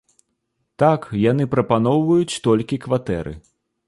Так, яны прапаноўваюць толькі кватэры.